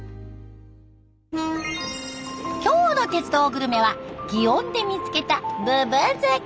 今日の「鉄道グルメ」は祇園で見つけたぶぶ漬け。